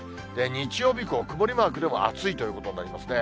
日曜日以降、曇りマークでも暑いということになりますね。